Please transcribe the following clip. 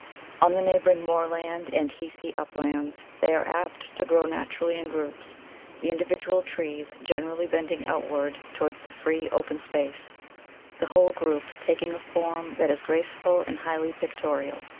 On the neighbouring moorland and heathy uplands they are apt to grow naturally in groups, the individual trees generally bending outward towards the free, open space, the whole group taking a form that is graceful and highly pictorial.